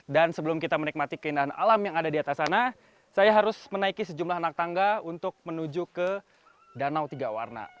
dan sebelum kita menikmati keindahan alam yang ada di atas sana saya harus menaiki sejumlah anak tangga untuk menuju ke danau tiga warna